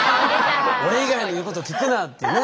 「俺以外の言うことを聞くな」っていうね。